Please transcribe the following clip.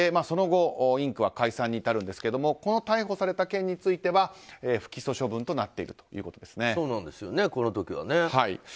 その後、ＩＮＫＴは解散に至るんですけどこの逮捕された件については不起訴処分となっているということです。